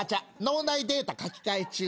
脳内データ書き換え中。